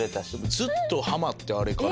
ずっとはまってあれから。